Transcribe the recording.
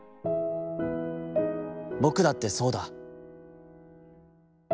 僕だってさうだ』。